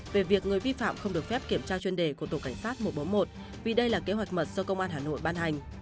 về việc người vi phạm không được phép kiểm tra chuyên đề của tổ cảnh sát một trăm bốn mươi một vì đây là kế hoạch mật do công an hà nội ban hành